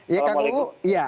ya kang uu